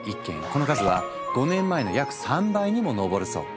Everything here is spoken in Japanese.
この数は５年前の約３倍にも上るそう。